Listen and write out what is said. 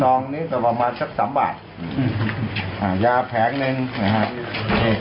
องนี้ก็ประมาณสักสามบาทอืมอ่ายาแผงหนึ่งนะฮะนี่